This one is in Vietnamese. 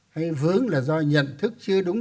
hay vướng là do nhận thức chưa đúng